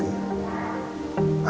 bisa selalu menyemangati